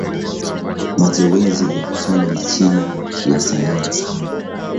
Mazowezi ya kusoma ni china ya sayansa